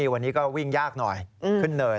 วันนี้ก็วิ่งยากหน่อยขึ้นเนย